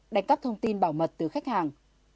đánh cắp thông tin bảo mật từ khách hàng